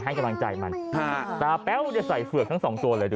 ให้กำลังใจมันแต่แป๊วใส่เผือกทั้ง๒ตัวเลยดู